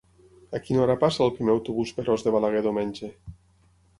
A quina hora passa el primer autobús per Os de Balaguer diumenge?